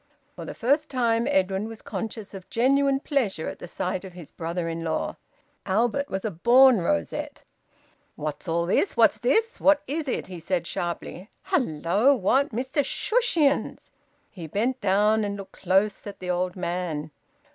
For the first time Edwin was conscious of genuine pleasure at the sight of his brother in law. Albert was a born rosette. "What's all this? What's this? What is it?" he asked sharply. "Hello! What? Mr Shushions!" He bent down and looked close at the old man.